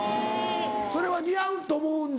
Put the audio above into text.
それは似合うと思うんだ？